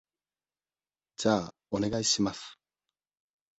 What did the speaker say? じゃあ、お願いします。